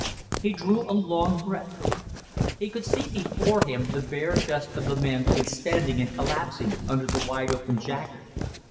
He drew a long breath. He could see before him the bare chest of the man expanding and collapsing under the wide open jacket.